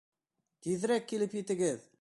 Тиҙерәк килеп етегеҙ!